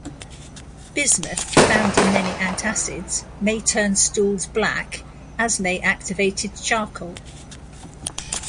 Bismuth found in many antacids may turn stools black as may activated charcoal.